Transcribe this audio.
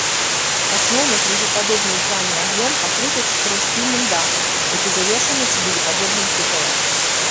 Асноўны крыжападобны ў плане аб'ём пакрыты чатырохсхільным дахам, які завершаны цыбулепадобным купалам.